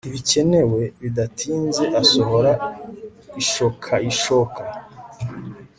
Ntibikenewe bidatinze asohora ishokaishoka